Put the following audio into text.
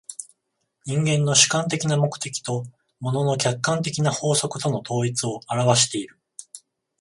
人間の主観的な目的と物の客観的な法則との統一を現わしている。